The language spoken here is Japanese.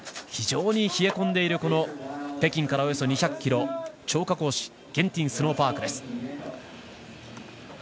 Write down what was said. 非常に冷え込んでいる北京からおよそ２００ｍ張家口市ゲンティンスノーパークです。